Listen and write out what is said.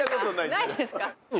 ないですか？」